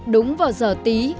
đúng vào giờ tí